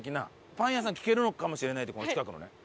パン屋さん聞けるのかもしれないこの近くのね。